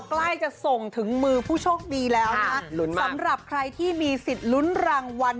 ใกล้จะส่งถึงมือผู้โชคดีแล้วนะสำหรับใครที่มีสิทธิ์ลุ้นรางวัล